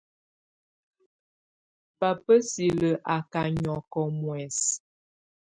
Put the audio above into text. Babá silǝ́ á ká nyɔ́kɔ muɛsɛ.